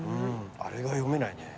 あれが読めないね。